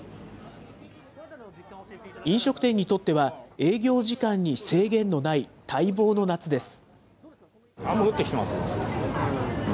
飲食店にとっては、営業時間に制限のない待望の夏です。